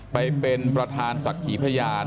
ไปเป็นประธานศักดิ์ขีพยาน